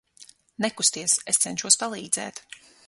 Nekusties, es cenšos palīdzēt.